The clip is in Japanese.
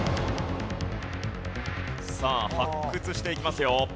さあ発掘していきますよ。